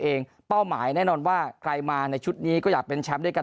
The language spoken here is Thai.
เป้าหมายแน่นอนว่าใครมาในชุดนี้ก็อยากเป็นแชมป์ด้วยกัน